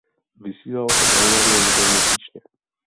Vysílal se pravidelně jednou měsíčně.